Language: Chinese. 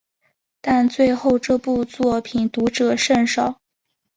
但最后这部作品读者甚少。